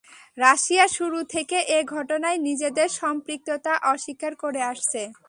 Russia শুরু থেকে এ ঘটনায় নিজেদের সম্পৃক্ততা অস্বীকার করে আসছে।